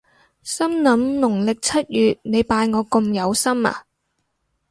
心諗農曆七月你拜我咁有心呀？